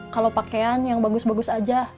kalau pakaian yang bagus bagus aja